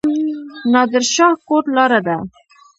نادر شاه کوټ لاره ده؟